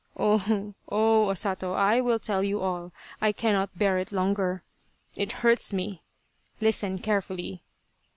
" Oh, oh, O Sato, I will tell you all I cannot bear it longer. It hurts me. Listen carefully